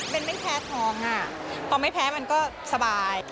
มันไม่แพ้ท้องอ่ะพอไม่แพ้มันก็สบาย